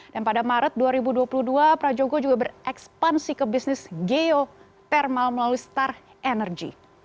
dan pada maret dua ribu dua puluh dua prajogo juga berekspansi ke bisnis geotermal melalui star energy